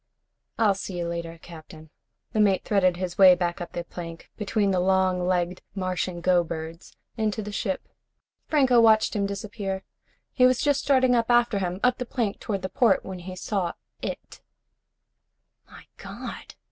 "I'll see you later, Captain." The mate threaded his way up the plank, between the long legged Martian go birds, into the ship. Franco watched him disappear. He was just starting up after him, up the plank toward the port, when he saw it. "My God!"